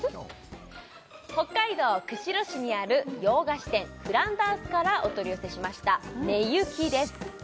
北海道釧路市にある洋菓子店フランダースからお取り寄せしましたｎｅｙｕｋｉです